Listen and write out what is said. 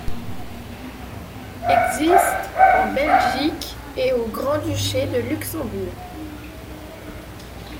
Existe en Belgique et au Grand-Duché de Luxembourg.